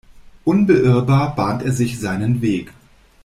Unbeirrbar bahnt er sich seinen Weg.